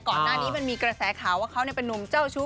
ก่อนหน้านี้มันมีกระแสข่าวว่าเขาเป็นนุ่มเจ้าชู้